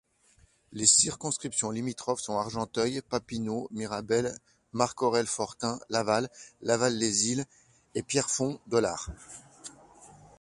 Les circonscriptions limitrophes sont Argenteuil—Papineau—Mirabel, Marc-Aurèle-Fortin, Laval, Laval—Les Îles et Pierrefonds—Dollard.